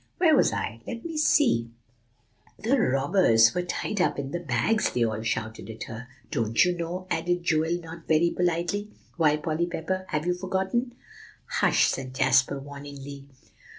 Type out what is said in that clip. "Where was I? Let me see" "The robbers were tied up in the bags," they all shouted at her. "Don't you know?" added Joel, not very politely. "Why, Polly Pepper, have you forgotten?" "Hush!" said Jasper warningly.